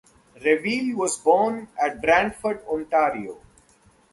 Reville was born in Brantford, Ontario.